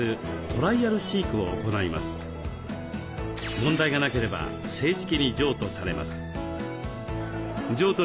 問題がなければ正式に譲渡されます。